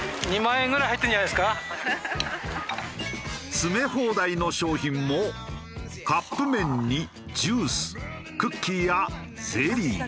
詰め放題の商品もカップ麺にジュースクッキーやゼリー。